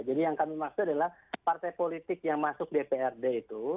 jadi yang kami maksud adalah partai politik yang masuk dprd itu